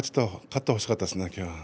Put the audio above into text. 富士関には勝ってほしかったですね